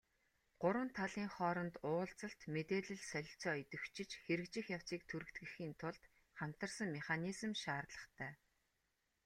Гурван талын хооронд уулзалт, мэдээлэл солилцоо идэвхжиж, хэрэгжих явцыг түргэтгэхийн тулд хамтарсан механизм шаардлагатай.